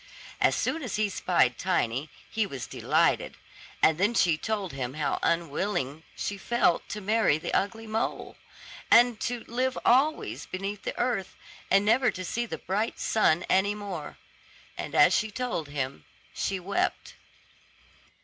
As soon as he spied Tiny, he was delighted; and then she told him how unwilling she felt to marry the ugly mole, and to live always beneath the earth, and never to see the bright sun any more. And as she told him she wept.